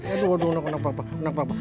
aduh aduh enak papa